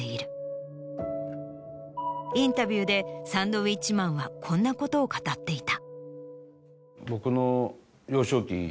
インタビューでサンドウィッチマンはこんなことを語っていた。